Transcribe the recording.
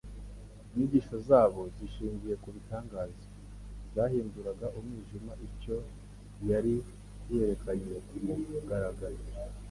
Inyigisho zabo zishingiye ku bitangaza, zahinduraga umwijima icyo yari yarerekanye ku mugaragaro.